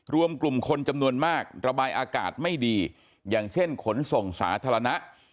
รวมกลุ่มคนจำนวนมากระบายอากาศไม่ดีอย่างเช่นขนส่งสาธารณะ